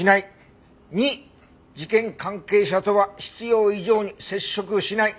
「２事件関係者とは必要以上に接触しない」